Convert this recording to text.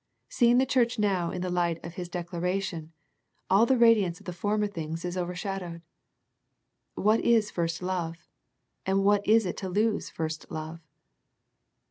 Seeing the church now in the light of His dec laration, all the radiance of the former things is over shadowed. What is first love, and what is it to lose first love